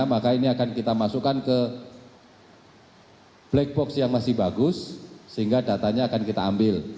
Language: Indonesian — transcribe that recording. maka ini akan kita masukkan ke black box yang masih bagus sehingga datanya akan kita ambil